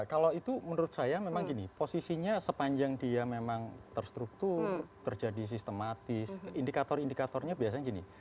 kalau itu menurut saya memang gini posisinya sepanjang dia memang terstruktur terjadi sistematis indikator indikatornya biasanya gini